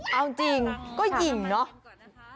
เอาจริงก็ยิงเนาะ